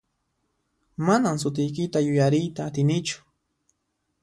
Manan sutiykita yuyariyta atinichu.